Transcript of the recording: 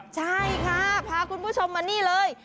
ใช่ค่ะพาคุณผู้ชมมานี่เลย